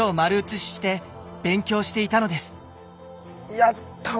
やったわ！